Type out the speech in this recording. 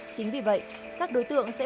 có bảo hành một năm